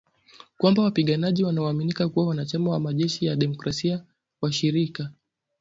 Kwamba wapiganaji wanaoaminika kuwa wanachama wa Majeshi ya demokrasia washirika.